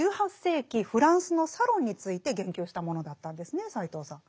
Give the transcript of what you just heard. フランスのサロンについて言及したものだったんですね斎藤さん。